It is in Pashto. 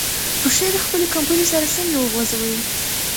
پښې د خپلې کمپلې سره سمې وغځوئ.